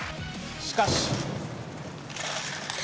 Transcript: しかし。